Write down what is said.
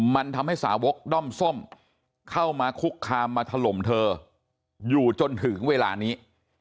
มันทำให้สาวกด้อมส้มเข้ามาคุกคามมาถล่มเธออยู่จนถึงเวลานี้